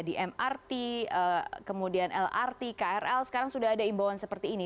di mrt kemudian lrt krl sekarang sudah ada imbauan seperti ini